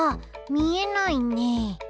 みえないね。